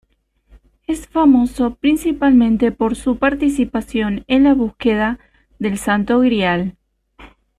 Es famoso principalmente por su participación en la búsqueda del Santo Grial.